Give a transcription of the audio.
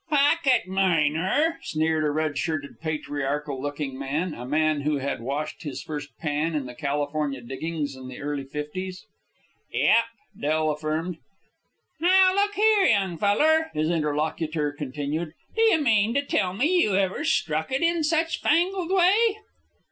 "Pocket miner!" sneered a red shirted, patriarchal looking man, a man who had washed his first pan in the Californian diggings in the early fifties. "Yep," Del affirmed. "Now, look here, young feller," his interlocutor continued, "d'ye mean to tell me you ever struck it in such fangled way?"